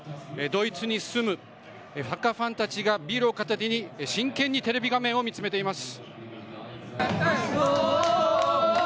ドイツに住むサッカーファンたちがビールを片手に真剣にテレビ画面を見つめています。